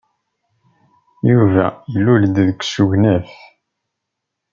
Yuba ilul-d deg usegnaf.